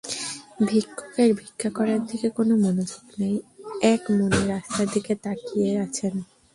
ভিক্ষুকের ভিক্ষা করার দিকে কোনো মনোযোগ নেই, একমনে রাস্তার দিকে তাকিয়ে আছেন।